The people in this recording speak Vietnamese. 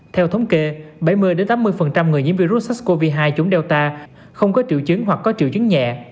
theo thống kê bảy mươi tám mươi người nhiễm virus sars cov hai trúng data không có triệu chứng hoặc có triệu chứng nhẹ